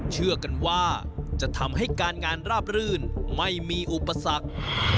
เชื่อกันว่าจะทำให้การงานราบรื่นไม่มีอุปสรรค